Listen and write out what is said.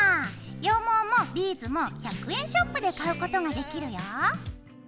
羊毛もビーズも１００円ショップで買うことができるよ。